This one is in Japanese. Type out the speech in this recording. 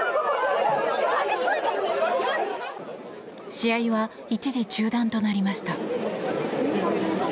試合は一時中断となりました。